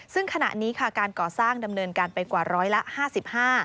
ซึ่งขณะนี้การก่อสร้างดำเนินการไปกว่าร้อยละ๕๕